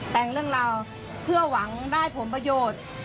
แต่งเรื่องราวเพื่อหวังได้ผลประโยชน์